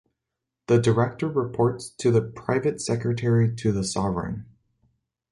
The Director reports to the Private Secretary to the Sovereign.